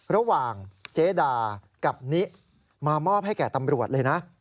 ระหว่างเจดากับนิมามอบให้แก่ตำรวจเลยนะ